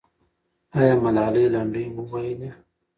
آیا ملالۍ لنډۍ وویلې؟